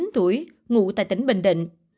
hai mươi chín tuổi ngủ tại tỉnh bình định